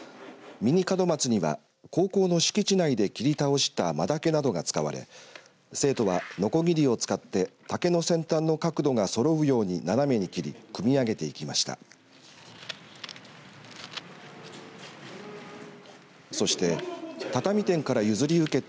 ミニ門松には高校の敷地内で切り倒したマダケなどが使われ生徒は、のこぎりを使って竹の先端の角度がそろうように斜めに切り組み立てていきました。